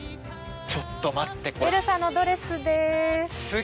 ちょっと待ってこれ。